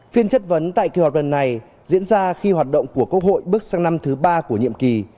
phiên chất vấn tại kỳ họp lần này diễn ra khi hoạt động của quốc hội bước sang năm thứ ba của nhiệm kỳ